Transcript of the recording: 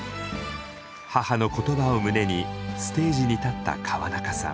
母の言葉を胸にステージに立った川中さん。